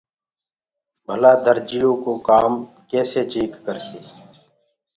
ڀلآ درجيو ڪآم ڪيسي چيڪ ڪرسي